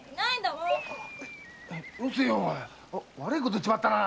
よせよおい悪いこと言っちまったな。